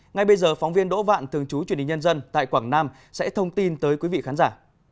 ngay bây giờ phóng viên đỗ vạn thường chú truyền hình nhân dân tại quảng nam sẽ thông tin tới quý vị khán giả